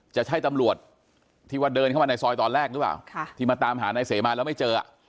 จะใช่ตำรวจที่ว่าเดินเข้ามาในซอยตอนแรกหรือเปล่าที่มาตามหานายเสมาแล้วไม่เจอ